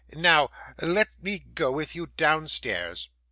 'Now, let me go with you downstairs.